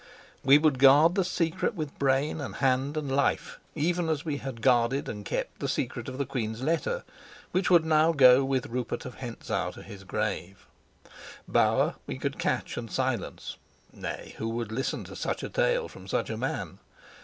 We would guard the secret with brain and hand and life, even as we had guarded and kept the secret of the queen's letter, which would now go with Rupert of Hentzau to his grave. Bauer we could catch and silence: nay, who would listen to such a tale from such a man?